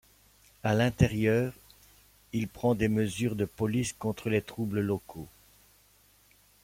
À l'intérieur, il prend des mesures de police contre les troubles locaux.